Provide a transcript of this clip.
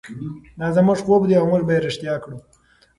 دا زموږ خوب دی او موږ به یې ریښتیا کړو.